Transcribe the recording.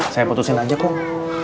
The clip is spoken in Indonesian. saya putusin aja kong